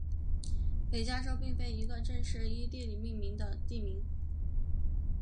北加州并非一个正式依地理命名的地名。